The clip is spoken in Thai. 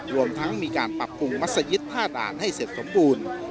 รวมทั้งมีการปรับปรุงมัศยิต๕ด่านให้เสร็จสมบูรณ์